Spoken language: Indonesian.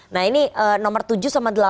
nah ini nomor tujuh sama delapan